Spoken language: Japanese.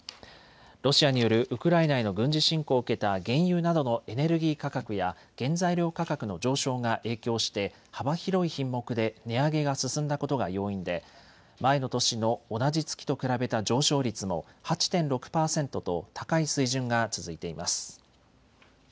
ロシアによるウクライナへの軍事侵攻を受けた原油などのエネルギー価格や原材料価格の上昇が影響して幅広い品目で値上げが進んだことが要因で前の年の同じ月と比べた上昇率も８．６％と高い水準が続いています。